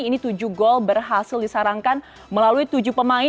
ini tujuh gol berhasil disarankan melalui tujuh pemain